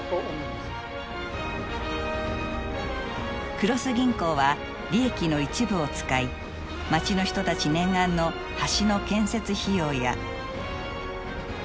黒須銀行は利益の一部を使い町の人たち念願の橋の建設費用や。